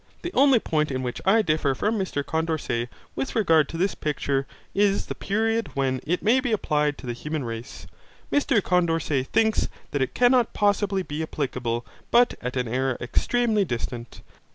The only point in which I differ from Mr Condorcet with regard to this picture is the period when it may be applied to the human race. Mr Condorcet thinks that it cannot possibly be applicable but at an era extremely distant.